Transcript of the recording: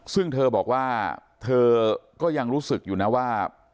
ซึ่งเธอบอกว่าเธอก็ยังรู้สึกอยู่นะว่า